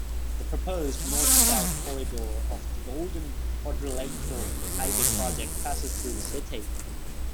The proposed North-south-Corridor of the Golden-Quadrilateral Highway project passes through the city.